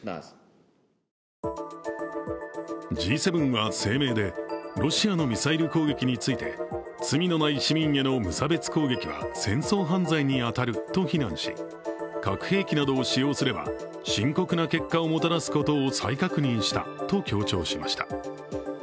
Ｇ７は声明で、ロシアのミサイル攻撃について罪のない市民への無差別攻撃は戦争行為に当たると非難し核兵器などを使用すれば、深刻な結果をもたらすことを再確認したと強調しました。